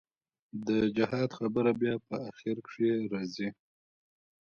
د جهاد خبره بيا په اخر کښې رځي.